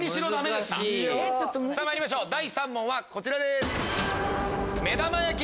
まいりましょう第３問はこちらです。